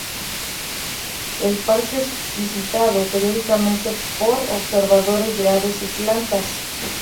El parque es visitado periódicamente por observadores de aves y plantas.